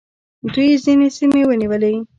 دوی ځینې سیمې ونیولې